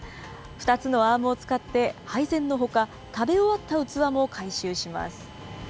２つのアームを使って、配膳のほか、食べ終わった器も回収します。